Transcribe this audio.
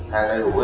hàng đầy đủ rồi